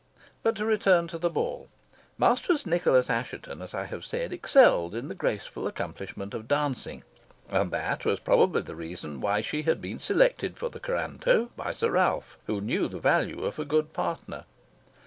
But to return to the ball. Mistress Nicholas Assheton, I have said, excelled in the graceful accomplishment of dancing, and that was probably the reason why she had been selected for the couranto by Sir Ralph, who knew the value of a good partner.